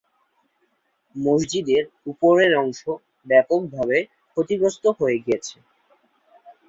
মসজিদের উপরের অংশ ব্যাপকভাবে ক্ষতিগ্রস্ত হয়ে গেছে।